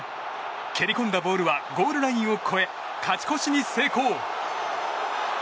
蹴り込んだボールはゴールラインを越え勝ち越しに成功。